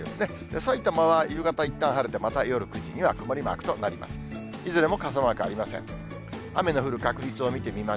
さいたまは夕方いったん晴れてまた夜９時には曇りマークとなります。